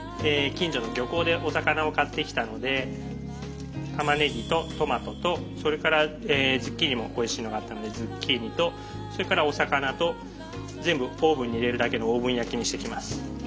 近所の漁港でお魚を買ってきたのでたまねぎとトマトとそれからズッキーニもおいしいのがあったのでズッキーニとそれからお魚と全部オーブンに入れるだけのオーブン焼きにしていきます。